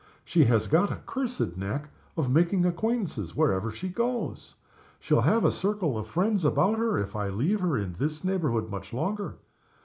She has got a cursed knack of making acquaintances wherever she goes. She'll have a circle of friends about her if I leave her in this neighborhood much longer.